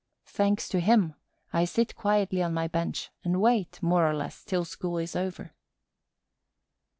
Thanks to him, I sit quietly on my bench and wait more or less till school is over.